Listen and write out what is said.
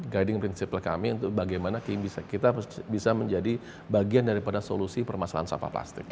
guiding principle kami untuk bagaimana kita bisa menjadi bagian daripada solusi permasalahan sampah plastik